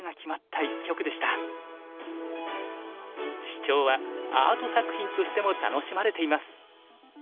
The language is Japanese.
シチョウはアート作品としても楽しまれています。